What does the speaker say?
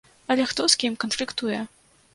Але хто з кім канфліктуе?